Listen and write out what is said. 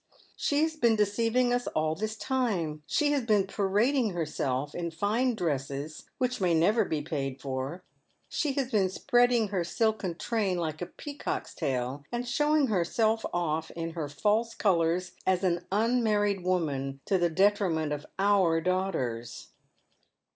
She has been deceiving us all this» time. She has been parading herself in fine dresses, which may never bo paid for, she has been spreading her silken train like a peacock's tail, and sho \\ang herself off in her false coloure as an unmarried woman to the detriment of ottr daughters.